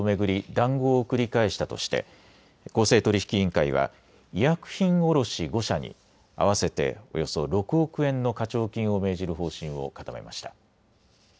談合を繰り返したとして公正取引委員会は医薬品卸５社に合わせておよそ６億円の課徴金を命じる方針を固めました。